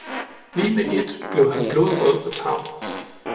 Lige med ét blev han blodrød og tav.